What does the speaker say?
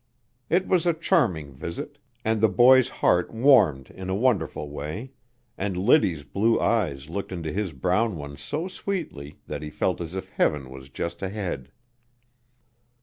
It was a charming visit, and the boy's heart warmed in a wonderful way, and Liddy's blue eyes looked into his brown ones so sweetly that he felt as if heaven was just ahead.